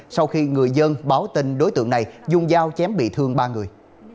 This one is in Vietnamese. sau khi người dân báo tin đối tượng này dùng dao chém bị thương ba người